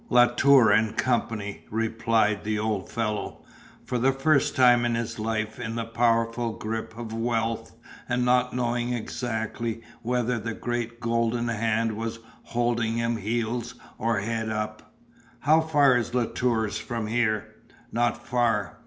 "Latour and Company," replied the old fellow, for the first time in his life in the powerful grip of wealth and not knowing exactly whether the great golden hand was holding him heels or head up. "How far is Latour's from here?" "Not far."